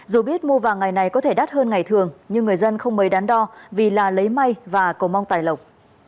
dù biết mua vàng ngày này có thể đắt hơn ngày thường nhưng người dân không mấy đáng đo vì là lấy may và cầu mong tài lộc